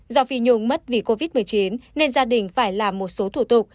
do phi nhung mất vì covid một mươi chín nên gia đình phải làm một số thủ tục